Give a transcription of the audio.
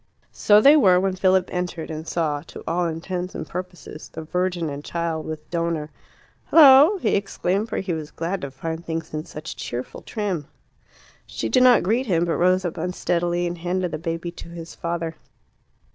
So they were when Philip entered, and saw, to all intents and purposes, the Virgin and Child, with Donor. "Hullo!" he exclaimed; for he was glad to find things in such cheerful trim. She did not greet him, but rose up unsteadily and handed the baby to his father.